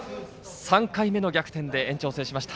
３回目の逆転で延長を制しました。